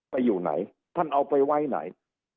ไปอยู่ไหนท่านเอาไปไว้ไหน